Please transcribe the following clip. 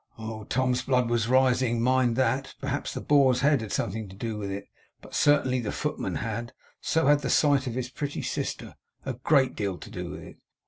Oh! Tom's blood was rising; mind that! Perhaps the Boar's Head had something to do with it, but certainly the footman had. So had the sight of his pretty sister a great deal to do with it.